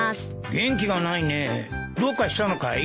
元気がないねどうかしたのかい？